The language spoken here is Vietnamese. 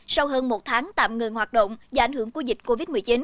sau hơn một tháng tạm ngừng hoạt động do ảnh hưởng của dịch covid một mươi chín